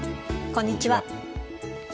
こんにちは。